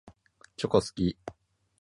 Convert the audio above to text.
チョコ好き。